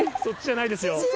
そっちじゃないですよ。